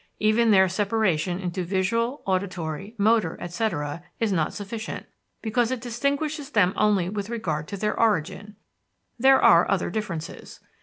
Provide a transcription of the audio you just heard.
Even their separation into visual, auditory, motor, etc., is not sufficient, because it distinguishes them only with regard to their origin. There are other differences.